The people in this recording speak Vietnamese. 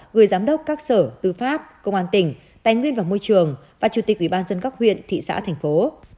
gửi giám đốc các sở tư pháp công an tỉnh tài nguyên và môi trường và chủ tịch ủy ban dân các huyện thị xã thành phố